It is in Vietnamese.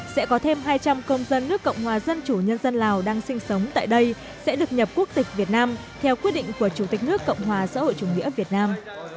sẽ có thêm hai trăm linh công dân nước cộng hòa dân chủ nhân dân lào đang sinh sống tại đây sẽ được nhập quốc tịch việt nam theo quyết định của chủ tịch nước cộng hòa xã hội chủ nghĩa việt nam